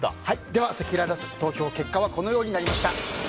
では、せきらら投票結果はこのようになりました。